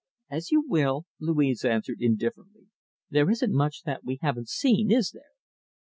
"As you will," Louise answered indifferently. "There isn't much that we haven't seen, is there?"